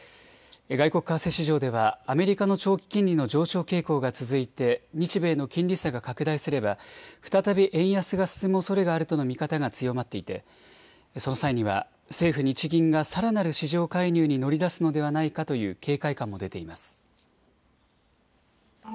外国為替市場ではアメリカの長期金利の上昇傾向が続いて日米の金利差が拡大すれば再び円安が進むおそれがあるとの見方が強まっていてその際には政府・日銀がさらなる市場介入に乗り出すのではないかという警戒感も出ています。